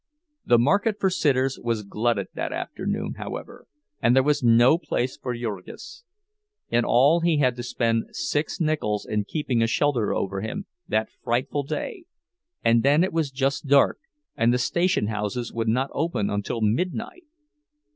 The market for "sitters" was glutted that afternoon, however, and there was no place for Jurgis. In all he had to spend six nickels in keeping a shelter over him that frightful day, and then it was just dark, and the station houses would not open until midnight!